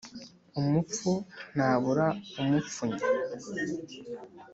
Umupfu ntabura umupfunya.